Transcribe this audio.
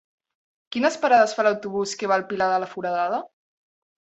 Quines parades fa l'autobús que va al Pilar de la Foradada?